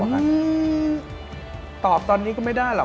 ตอบตอนนี้ก็ไม่ได้หรอก